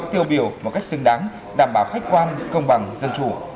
tiêu biểu một cách xứng đáng đảm bảo khách quan công bằng dân chủ